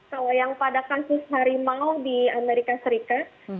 kalau yang pada kasus harimau di amerika serikat